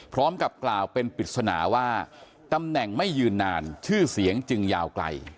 พร้อมกับกล่าวเป็นปริศนาว่าตำแหน่งไม่ยืนนานชื่อเสียงจึงยาวไกล